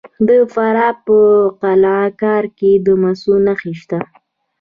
د فراه په قلعه کاه کې د مسو نښې شته.